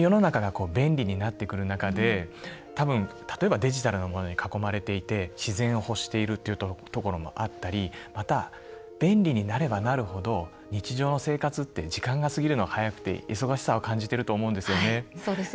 今、本当に世の中が便利になってくる中でデジタルのものに囲まれて自然を欲しているという部分もありますしまた、便利になればなるほど日常の生活って時間が過ぎるのが早くて忙しさを感じてると思うんですよね。